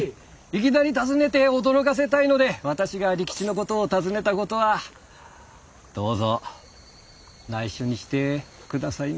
いきなり訪ねて驚かせたいので私が利吉の事を尋ねた事はどうぞ内緒にして下さいな。